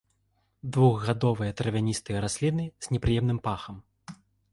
Двухгадовыя травяністыя расліны з непрыемным пахам.